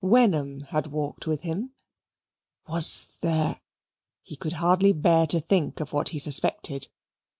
Wenham had walked with him. Was there.... He could hardly bear to think of what he suspected.